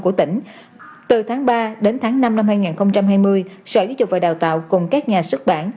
của tỉnh từ tháng ba đến tháng năm năm hai nghìn hai mươi sở giáo dục và đào tạo cùng các nhà xuất bản